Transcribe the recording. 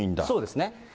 そうですね。